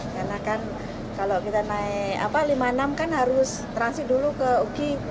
karena kan kalau kita naik rp lima enam ratus kan harus transi dulu ke uki